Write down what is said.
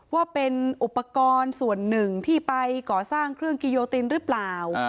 ว่าเป็นอุปกรณ์ส่วนหนึ่งที่ไปก่อสร้างเครื่องกิโยตินหรือเปล่า